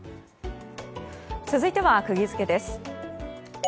続いてはクギヅケです。